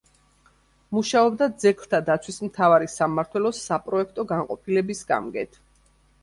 მუშაობდა ძეგლთა დაცვის მთავარი სამმართველოს საპროექტო განყოფილების გამგედ.